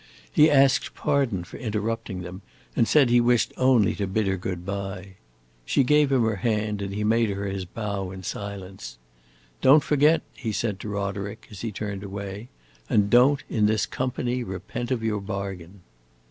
He asked pardon for interrupting them, and said he wished only to bid her good by. She gave him her hand and he made her his bow in silence. "Don't forget," he said to Roderick, as he turned away. "And don't, in this company, repent of your bargain."